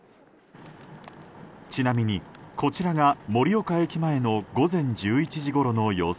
ちなみに、こちらが盛岡駅前の午前１１時ごろの様子。